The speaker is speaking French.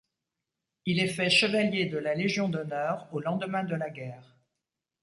Il est fait chevalier de la Légion d'honneur au lendemain de la guerre.